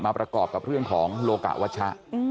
ประกอบกับเรื่องของโลกะวัชชะ